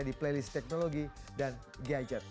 di playlist teknologi dan gadget